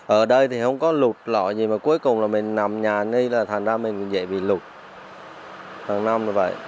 ở đây thì không có lụt lõi gì mà cuối cùng là mình nằm nhà như là thẳng ra mình dễ bị lụt thẳng năm như vậy